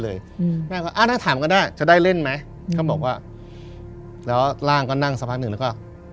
เลยอ้าวถามก็ได้จะได้เล่นไหมเขาบอกว่าแล้วร่างก็นั่งสักพักหนึ่งแล้วก็